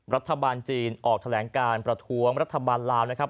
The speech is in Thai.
รัฐบาลจีนออกแถลงการประท้วงรัฐบาลลาวนะครับ